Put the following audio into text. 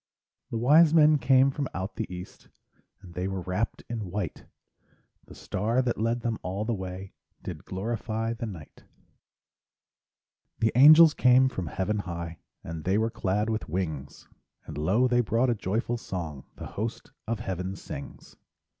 The wise men came from out the east, And they were wrapped in white; The star that led them all the way Did glorify the night. The angels came from heaven high, And they were clad with wings; And lo, they brought a joyful song The host of heaven sings.